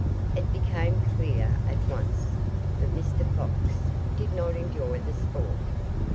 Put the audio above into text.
It became clear, at once, that Mr. Fox did not enjoy the sport.